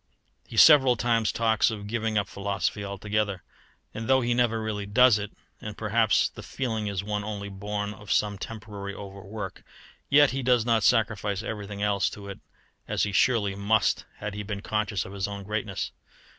He several times talks of giving up philosophy altogether; and though he never really does it, and perhaps the feeling is one only born of some temporary overwork, yet he does not sacrifice everything else to it as he surely must had he been conscious of his own greatness.